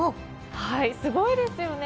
すごいですよね。